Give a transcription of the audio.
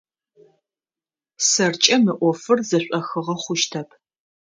Сэркӏэ мы ӏофыр зэшӏохыгъэ хъущтэп.